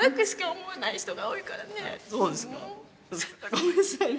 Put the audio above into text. ごめんなさいね。